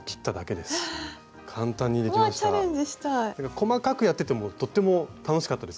細かくやっててもとっても楽しかったです。